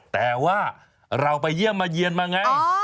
แต่ว่าเราไปเยี่ยมมาเยี่ยนมาไง